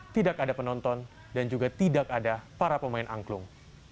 tidak ada penonton dan juga tidak ada para pemain angklung